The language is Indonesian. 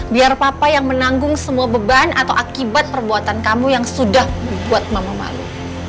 biar papa yang menanggung semua beban atau akibat perbuatan kamu yang sudah membuat mama malu